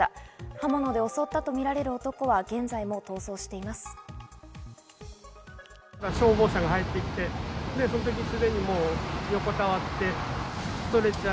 刃物で襲ったとみられる男は現在も逃走しています。